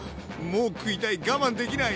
もう食いたい我慢できない！